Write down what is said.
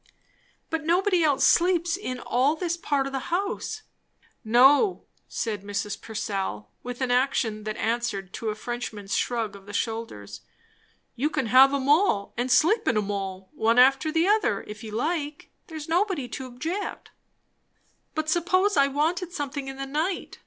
"But nobody else sleeps in all this part of the house!" "No," said Mrs. Purcell, with an action that answered to a Frenchman's shrug of the shoulders; "you can have 'em all, and sleep in 'em all, one after the other, if you like. There's nobody to object." "But suppose I wanted something in the night?"